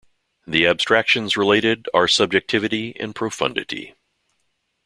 The abstractions related are Subjectivity and Profundity.